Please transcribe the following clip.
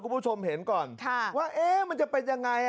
บมเห็นก่อนว่ามันจะเป็นยังไง